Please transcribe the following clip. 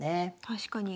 確かに。